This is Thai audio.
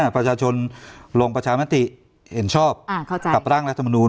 ประชาชนลงประชามติเห็นชอบกับร่างรัฐมนูล